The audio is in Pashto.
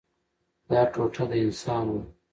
دا ټوټه د انسان وه.